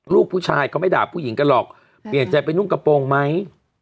ลูกผู้ชายก็ไม่ด่าผู้หญิงกันหรอกเปลี่ยนใจไปนุ่งกระโปรงไหม